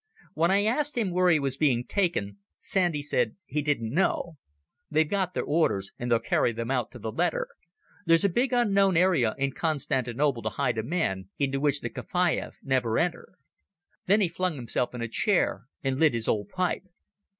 When I asked him where he was being taken, Sandy said he didn't know. "They've got their orders, and they'll carry them out to the letter. There's a big unknown area in Constantinople to hide a man, into which the Khafiyeh never enter." Then he flung himself in a chair and lit his old pipe.